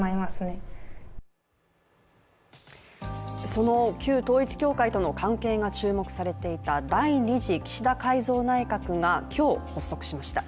その旧統一教会との関係が注目されていた第２次岸田改造内閣が今日、発足しました。